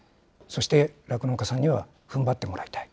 そして酪農家さんにはふんばってもらいたい。